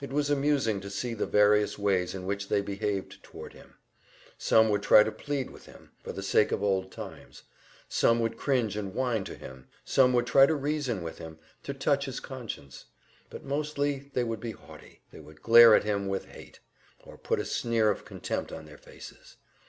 It was amusing to see the various ways in which they behaved toward him. Some would try to plead with him, for the sake of old times; some would cringe and whine to him; some would try to reason with him, to touch his conscience. But mostly they would be haughty, they would glare at him with hate, or put a sneer of contempt on their faces.